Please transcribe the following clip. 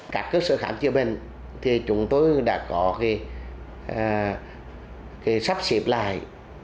các cơ sở khám chữa bệnh thì chúng tôi đã có sắp xếp lại